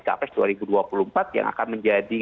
capres dua ribu dua puluh empat yang akan menjadi